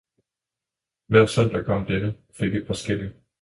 hver søndag kom denne og fik et par skilling.